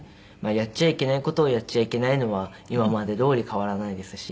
やっちゃいけない事をやっちゃいけないのは今までどおり変わらないですし。